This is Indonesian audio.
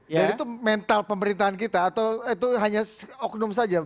jadi itu mental pemerintahan kita atau itu hanya oknum saja